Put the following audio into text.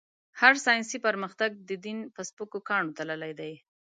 هر ساينسي پرمختګ؛ دين په سپکو کاڼو تللی دی.